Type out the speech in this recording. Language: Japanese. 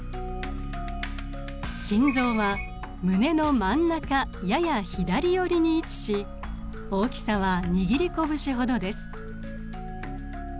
心臓は胸の真ん中やや左寄りに位置し大きさは握りこぶしほどです。